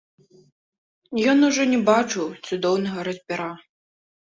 Ён ужо не бачыў цудоўнага разьбяра.